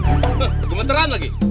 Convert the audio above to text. he kementeran lagi